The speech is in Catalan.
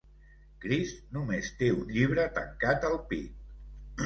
Crist només té un llibre tancat al pit.